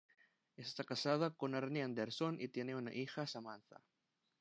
Está casada con Arnie Anderson y tiene una hija, Samantha.